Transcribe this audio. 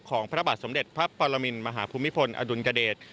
พระบาทสมเด็จพระปรมินมหาภูมิพลอดุลยเดช